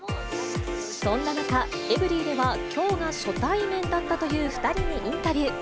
そんな中、エブリィでは、きょうが初対面だったという２人にインタビュー。